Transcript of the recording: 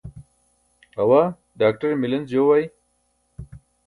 awaa ḍaakṭere milenc joo ay